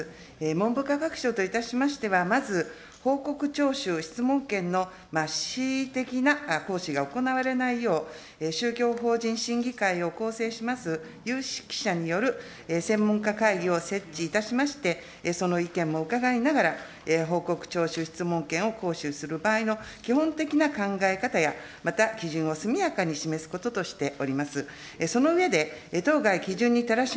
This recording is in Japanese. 文部科学省といたしましては、まず、報告徴収、質問権の恣意的な行使が行われないよう、宗教法人審議会を構成します有識者による専門家会議を設置いたしまして、その意見も伺いながら、報告徴収質問権を行使する場合の基本的な考え方や、また基準を速やかに示すこととしております。